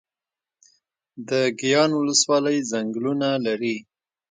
د ګیان ولسوالۍ ځنګلونه لري